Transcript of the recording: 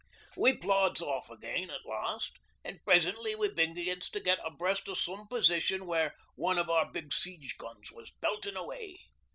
'We plods off again at last, an' presently we begins to get abreast o' some position where one o' our big siege guns was beltin' away.